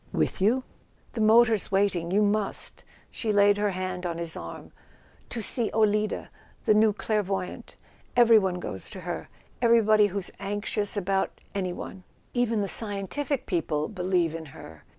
"With you ?" "The motor's waiting—you must." She laid her hand on his arm. "To see Olida, the new clairvoyante. Every¬ body goes to her—everybody who's anxious about any¬ one. Even the scientific people believe in her.